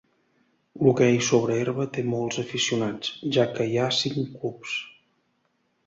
L'hoquei sobre herba té molts aficionats, ja que hi ha cinc clubs.